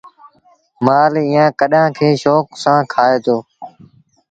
مآل ايٚئآݩ ڪڏآݩ کي شوڪ سآݩ کآئي دو۔